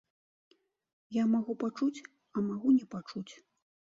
Я магу пачуць, а магу не пачуць.